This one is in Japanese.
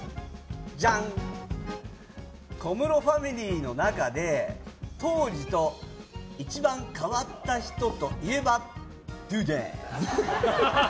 小室ファミリーの中で当時と一番変わった人といえば？